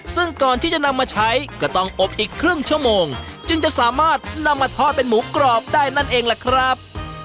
ซึ่งก่อนที่จะนำมาใช้ก็ต้องอบอีกครึ่งชั่วโมงจึงจะสามารถนำมาทอดเป็นหมูกรอบได้นั่นเองล่ะครับ